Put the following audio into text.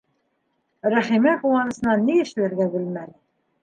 Рәхимә ҡыуанысынан ни эшләргә белмәне.